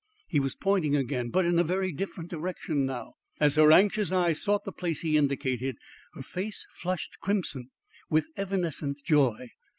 He was pointing again, but in a very different direction now. As her anxious eye sought the place he indicated, her face flushed crimson with evanescent joy.